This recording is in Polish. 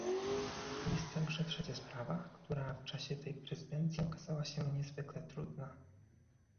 Jest także trzecia sprawa, która w czasie tej prezydencji okazała się niezwykle trudna